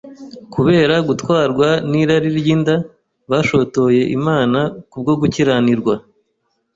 kubera gutwarwa n’irari ry’inda, bashotoye Imana kubwo gukiranirwa